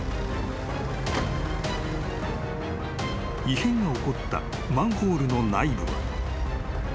［異変が起こったマンホールの内部は］